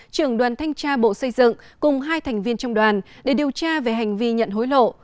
trưởng đoàn thanh tra bộ xây dựng cùng hai thành viên trong đoàn để điều tra về hành vi nhận hối lộ